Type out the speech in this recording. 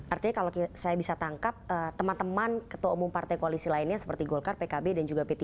artinya kalau saya bisa tangkap teman teman ketua umum partai koalisi lainnya seperti golkar pkb dan juga p tiga